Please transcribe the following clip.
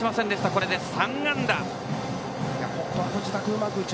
これで３安打！